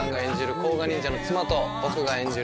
甲賀忍者の妻と僕が演じる